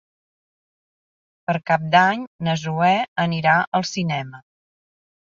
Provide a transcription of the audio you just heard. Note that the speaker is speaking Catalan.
Per Cap d'Any na Zoè anirà al cinema.